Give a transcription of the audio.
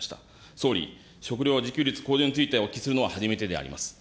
総理、食料自給率向上についてお聞きするのは初めてであります。